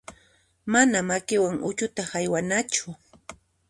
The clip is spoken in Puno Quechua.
Mana makiman uchuta haywanachu.